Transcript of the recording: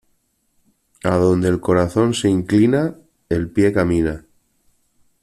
Adonde el corazón se inclina, el pie camina.